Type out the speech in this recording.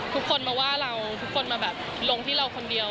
ทุกคนมาว่าเราทุกคนมาแบบลงที่เราคนเดียว